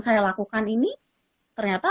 saya lakukan ini ternyata